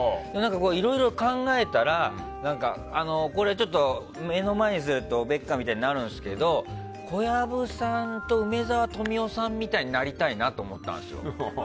いろいろ考えたらこれ、ちょっと目の前にするとおべっかみたいになるんですけど小籔さんと梅沢富美男さんみたいになりたいなと思ったんですよ。